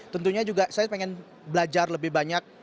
tentunya juga saya pengen belajar lebih banyak